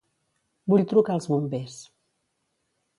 Vull trucar als bombers.